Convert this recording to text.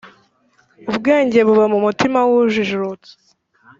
ubwenge buba mu mutima w’ujijutse